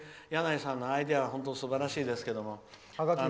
箭内さんのアイデアは本当にすばらしいです。